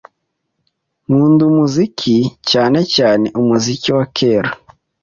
Nkunda umuziki, cyane cyane umuziki wa kera.